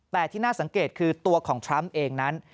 แต่ที่น่าสังเกตคือตัวของทรัมป์เองนั้น